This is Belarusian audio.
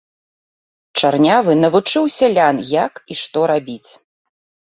Чарнявы навучыў сялян, як і што рабіць.